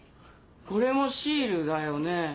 これもシールだよね？